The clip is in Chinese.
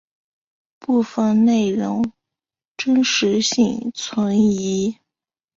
部分内容真实性存疑。